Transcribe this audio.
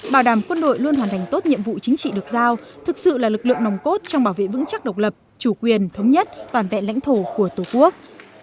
bảo đảm quân đội luôn hoàn thành tốt nhiệm vụ chính trị được giao thực sự là lực lượng nòng cốt trong bảo vệ vững chắc độc lập chủ quyền thống nhất toàn vẹn lãnh thổ của tổ quốc